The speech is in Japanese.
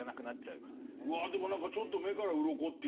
うわでも何かちょっと目からうろこというか。